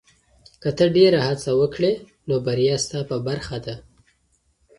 که ته ډېره هڅه وکړې، نو بریا ستا په برخه ده.